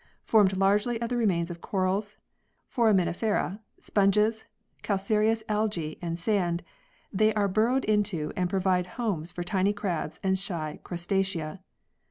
Formed largely of the remains of corals, foraminifera, sponges, calcareous algae and sand, they are burrowed into and provide homes for tiny crabs and shy Crustacea.